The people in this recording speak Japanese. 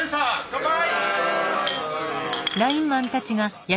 乾杯！